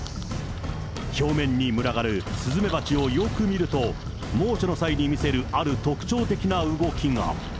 表面に群がるスズメバチをよく見ると、猛暑の際に見せる、ある特徴的な動きが。